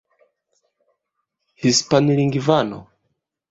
hispanlingvano